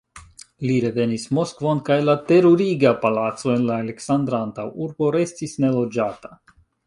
Li revenis Moskvon, kaj la teruriga palaco en la Aleksandra antaŭurbo restis neloĝata.